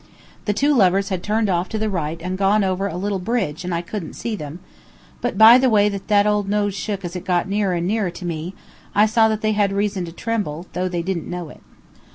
The two lovers had turned off to the right and gone over a little bridge and I couldn't see them; but by the way that old nose shook as it got nearer and nearer to me, I saw they had reason to tremble, though they didn't know it.